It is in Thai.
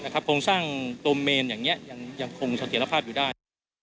โครงสร้างโดเมนอย่างนี้ยังคงสังเกียรติภาพอยู่ได้